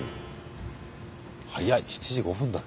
早い７時５分だって。